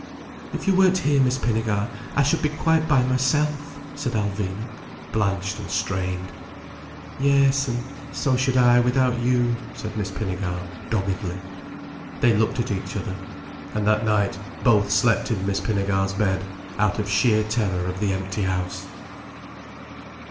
"If you weren't here, Miss Pinnegar, I should be quite by myself," said Alvina, blanched and strained. "Yes. And so should I without you," said Miss Pinnegar doggedly. They looked at each other. And that night both slept in Miss Pinnegar's bed, out of sheer terror of the empty house.